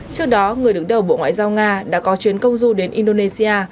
trước đó người đứng đầu bộ ngoại giao nga đã có chuyến công du đến indonesia